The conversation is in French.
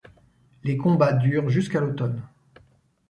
Les combats durent jusqu'à l'automne.